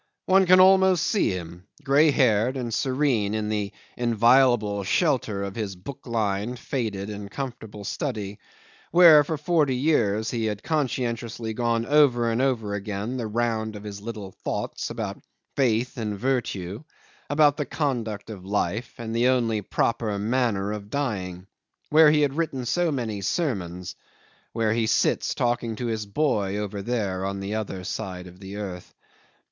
One can almost see him, grey haired and serene in the inviolable shelter of his book lined, faded, and comfortable study, where for forty years he had conscientiously gone over and over again the round of his little thoughts about faith and virtue, about the conduct of life and the only proper manner of dying; where he had written so many sermons, where he sits talking to his boy, over there, on the other side of the earth.